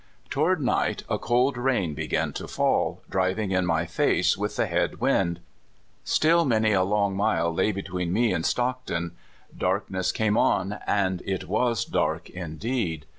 Toward night a cold rain began to fall, driving in my face with the head wind. Still man} a long mile lay between me and Stockton. Darkness (192) CORRALED. ^03 came on, and it was dark indeed.